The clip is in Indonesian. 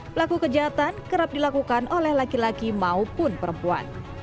pelaku kejahatan kerap dilakukan oleh laki laki maupun perempuan